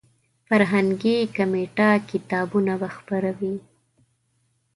فرهنګي کمیټه کتابونه به خپروي.